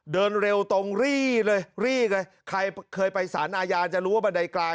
เดินเร็วตรงรี่เลยรี่เลยใครเคยไปสารอาญาจะรู้ว่าบันไดกลาง